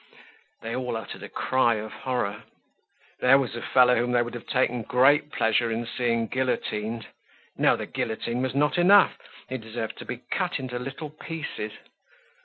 They all uttered a cry of horror. There was a fellow whom they would have taken great pleasure in seeing guillotined! No, the guillotine was not enough; he deserved to be cut into little pieces.